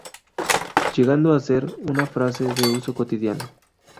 Llegando a ser, una frase de uso cotidiano.